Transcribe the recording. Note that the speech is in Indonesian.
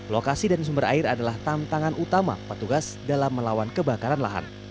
lokasi dan sumber air adalah tantangan utama petugas dalam melawan kebakaran lahan